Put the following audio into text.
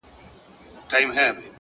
هره ناکامي د تجربې خزانه زیاتوي؛